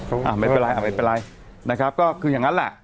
อ่ะไม่เป็นไรอ่ะไม่เป็นไรนะครับก็คืออย่างนั้นแหละ